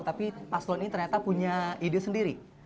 tapi paslon ini ternyata punya ide sendiri